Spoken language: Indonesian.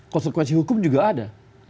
konsekuensi hukum juga ada